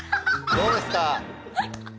どうですか？